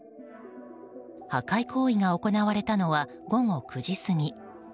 破壊行為が行われたのは午後９時過ぎ。